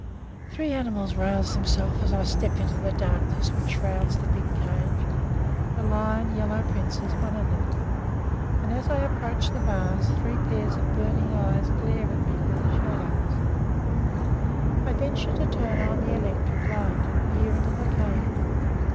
Three animals rouse themselves as I step into the darkness which shrouds the big cage the lion Yellow Prince is one of them and as I approach the bars three pairs of burning eyes glare at me through the shadows. I venture to turn on the electric light and peer into the cage.